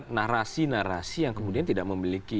narasi narasi yang kemudian tidak memiliki